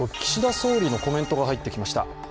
岸田総理のコメントが入ってきました。